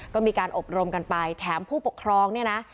ก็มีการอบรมกันไปแถมผู้ปกครองเนี่ยนะ